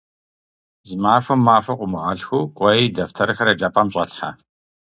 Зы махуэм махуэ къыумыгъэлъхуу, кӏуэи дэфтэрхэр еджапӏэм щӏэлъхьэ.